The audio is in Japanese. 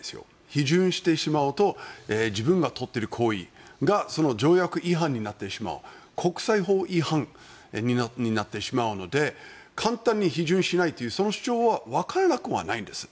批准してしまうと自分が取っている行為がその条約違反になってしまう国際法違反になってしまうので簡単に批准しないというその主張はわからなくはないんです。